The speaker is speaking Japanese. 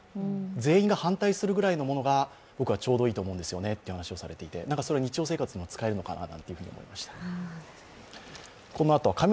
全員が反対するぐらいのものが僕はちょうどいいんですよねという話をされていてそれは日常生活でも使えるのかななんて思いました。